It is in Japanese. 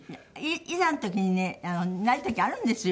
いざの時にねない時あるんですよ